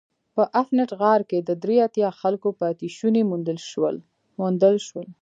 په افنټ غار کې د درې اتیا خلکو پاتې شوني موندل شول.